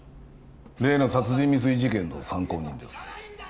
例の殺人未遂事件の参考人です